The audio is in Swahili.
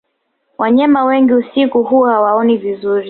wanyama wengi usiku huwa hawaoni vizuri